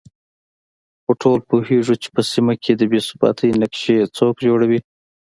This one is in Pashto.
خو ټول پوهېږو چې په سيمه کې د بې ثباتۍ نقشې څوک جوړوي